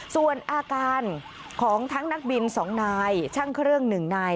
ส่วนอาการของทั้งนักบิน๒นายช่างเครื่องหนึ่งนาย